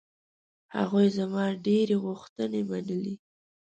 هغوی زما ډېرې غوښتنې منلې.